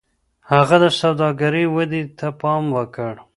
هغه د سوداګرۍ ودې ته پام وکړ.